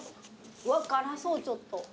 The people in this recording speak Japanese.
うわ辛そうちょっと。